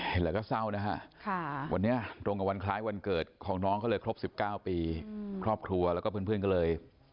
เห็นแล้วก็เศร้านะฮะวันนี้ตรงกับวันคล้ายวันเกิดของน้องเขาเลยครบ๑๙ปีครอบครัวแล้วก็เพื่อนก็เลย